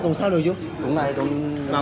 taxi khác hãng